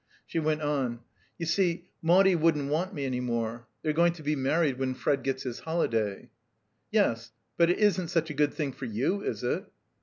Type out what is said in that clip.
She went on. "You see, Maudie won't want me any more. They're going to be married when Fred gets his holiday." "Yes. But it isn't such a good thing for you, is it?"